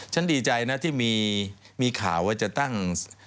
ดีใจนะที่มีข่าวว่าจะตั้ง